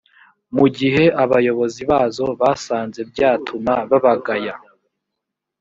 mu gihe abayobozi bazo basanze byatuma babagaya